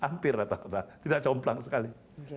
hampir rata rata tidak complang sekali